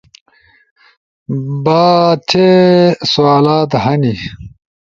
باتھے سوالات ہنی؟